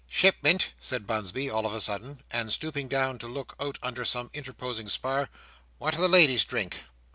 "Shipmet," said Bunsby, all of a sudden, and stooping down to look out under some interposing spar, "what'll the ladies drink?"